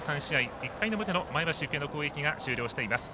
１回の表の前橋育英の攻撃が終了しています。